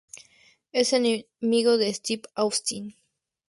Es enemigo de Steve Austin.